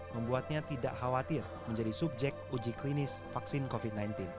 membuatnya tidak khawatir menjadi subjek uji klinis vaksin covid sembilan belas